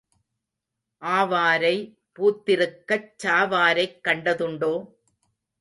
ஆவாரை பூத்திருக்கச் சாவாரைக் கண்டதுண்டோ?